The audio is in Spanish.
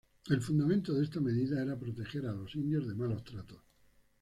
El fundamento de esta medida era proteger a los indios de malos tratos.